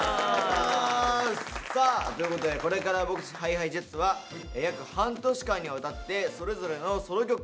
さあということでこれから僕たちＨｉＨｉＪｅｔｓは約半年間にわたってそれぞれのソロ曲をパフォーマンスしていきますと。